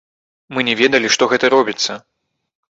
Мы не ведалі, што гэта робіцца.